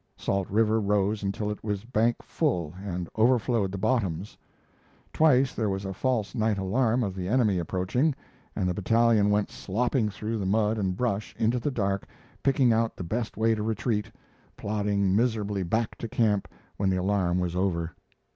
Salt River rose until it was bank full and overflowed the bottoms. Twice there was a false night alarm of the enemy approaching, and the battalion went slopping through the mud and brush into the dark, picking out the best way to retreat, plodding miserably back to camp when the alarm was over.